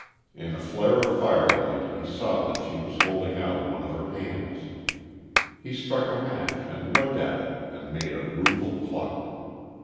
In a flare of firelight he saw that she was holding out one of her hands. He struck a match and looked at it and made a rueful cluck.